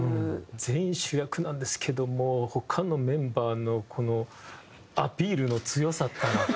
全員主役なんですけど他のメンバーのアピールの強さったらっていう。